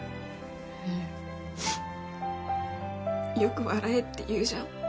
うんよく笑えって言うじゃん